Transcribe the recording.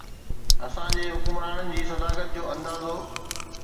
اسان جي حڪمرانن جي صداقت جو اندازو.